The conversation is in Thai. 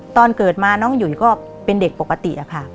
ตอนเกิดมาน้องหยุยก็เป็นเด็กปกติอะค่ะ